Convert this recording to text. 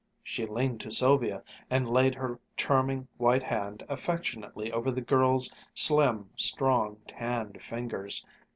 She leaned to Sylvia and laid her charming white hand affectionately over the girl's slim, strong, tanned fingers.